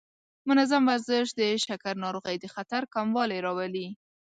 منظم ورزش د شکر ناروغۍ د خطر کموالی راولي.